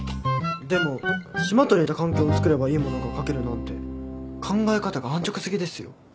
でも島と似た環境をつくればいいものが書けるなんて考え方が安直すぎですよ。